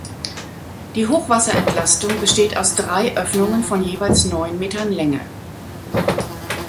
Die Hochwasserentlastung besteht aus drei Öffnungen von jeweils neun Metern Länge.